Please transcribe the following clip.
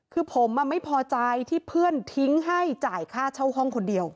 คือผมไม่พอใจที่เพื่อนทิ้งให้จ่ายค่าเช่าห้องคนเดียว